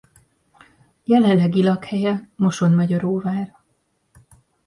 Jelenlegi lakhelye Mosonmagyaróvár.